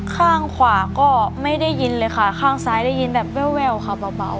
ข้างขวาก็ไม่ได้ยินเลยค่ะข้างซ้ายได้ยินแบบแววค่ะเบา